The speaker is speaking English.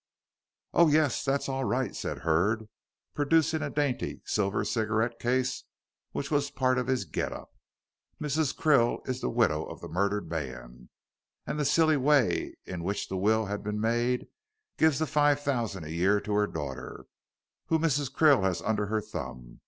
"Oh, yes, that's all right," said Hurd, producing a dainty silver cigarette case, which was part of his "get up." "Mrs. Krill is the widow of the murdered man, and the silly way in which the will has been made gives the five thousand a year to her daughter, whom Mrs. Krill has under her thumb.